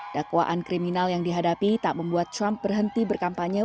dakwaan kriminal yang dihadapi tak membuat trump berhenti berkampanye